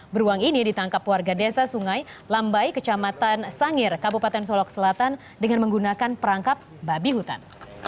beruang ini ditangkap warga desa sungai lambai kecamatan sangir kabupaten solok selatan dengan menggunakan perangkap babi hutan